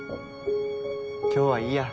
今日はいいや。